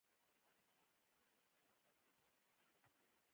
پر هماغه سیمه یوه غونډۍ راتاو شوې.